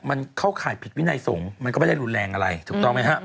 มันเข้าข่ายผิดวินัยสงฆ์มันก็ไม่ได้รุนแรงอะไรถูกต้องไหมครับ